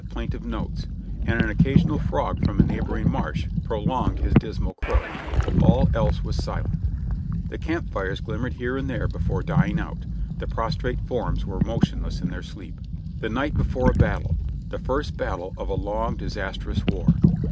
plaintive notes, and an occasional frog from a neighboring marsh prolonged his dismal croak — all else was silent; the camp fires glimmered here and there before dying out; the prostrate forms were motionless in their sleep. The night before a battle ! the first battle of a long, disastrous war